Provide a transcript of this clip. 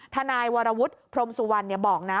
ทนายวรวุฒิพรมสุวรรณบอกนะ